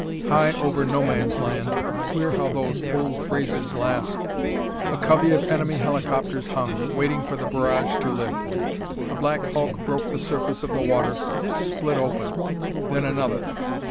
High over No Man's Land queer how those old phrases last a covey of enemy helicopters hung, waiting for the barrage to lift. A black hulk broke the surface of the water, split open: then another.